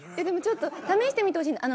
でもちょっと試してみてほしい。